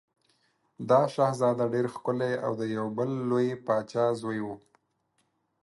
دا شهزاده ډېر ښکلی او د یو بل لوی پاچا زوی و.